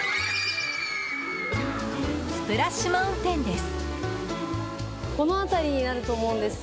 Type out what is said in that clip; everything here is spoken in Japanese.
スプラッシュ・マウンテンです。